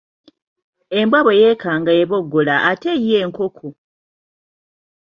Embwa bwe yeekanga eboggola ate yo enkoko?